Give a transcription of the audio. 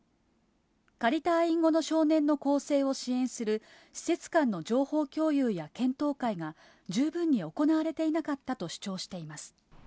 仮退院後の少年の更生を支援する施設間の情報共有や検討会が、十分に行われていなかったと主張しています。